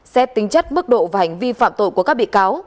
xét tính chất mức độ và hành vi phạm tội của các bị cáo